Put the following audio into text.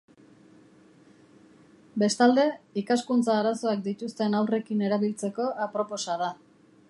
Bestalde, ikaskuntza arazoak dituzten haurrekin erabiltzeko aproposa da.